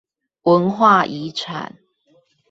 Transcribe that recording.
文化遺產